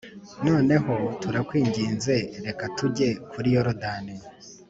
Noneho turakwinginze reka tujye kuri Yorodani